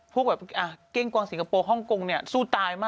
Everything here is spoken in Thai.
พวกแบบเก้งกวางสิงคโปร์ฮ่องกงเนี่ยสู้ตายมาก